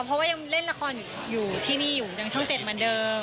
เพราะว่ายังเล่นละครอยู่ที่นี่อยู่ยังช่อง๗เหมือนเดิม